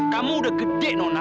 kamu udah gede nona